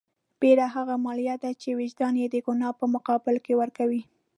بېره هغه مالیه ده چې وجدان یې د ګناه په مقابل کې ورکوي.